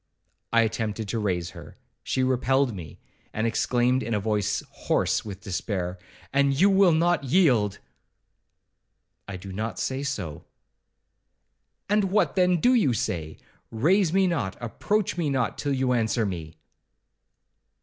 I attempted to raise her; she repelled me, and exclaimed, in a voice hoarse with despair, 'And you will not yield?' 'I do not say so.' 'And what, then, do you say?—raise me not, approach me not, till you answer me.'